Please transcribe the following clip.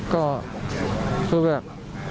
ก็คือแบบ